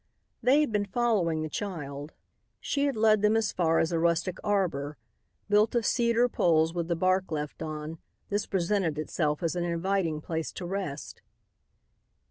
They had been following the child. She had led them as far as a rustic arbor. Built of cedar poles with the bark left on, this presented itself as an inviting place to rest.